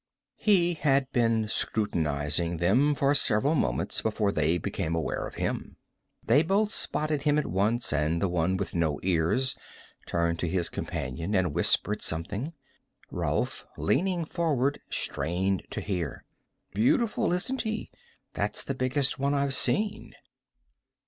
He had been scrutinizing them for several moments before they became aware of him. They both spotted him at once and the one with no ears turned to his companion and whispered something. Rolf, leaning forward, strained to hear. "... beautiful, isn't he? That's the biggest one I've seen!"